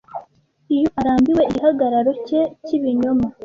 iyo arambiwe igihagararo cye cyibinyoma